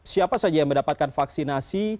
siapa saja yang mendapatkan vaksinasi